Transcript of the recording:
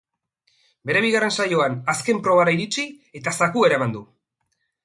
Bere bigarren saioan, azken probara iritsi eta zakua eraman du.